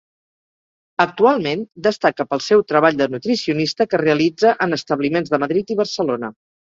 Actualment, destaca pel seu treball de nutricionista que realitza en establiments de Madrid i Barcelona.